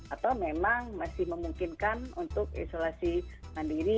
atau memang masih memungkinkan untuk isolasi mandiri